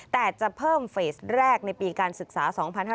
แต่จะเพิ่มเฟสแรกในปีการศึกษา๒๕๕๙